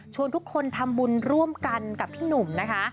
ทุกคนทำบุญร่วมกันกับพี่หนุ่มนะคะ